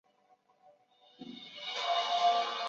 斯廷是位于美国亚利桑那州尤马县的一个非建制地区。